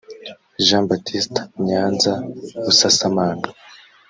jean baptiste nyanza busasamana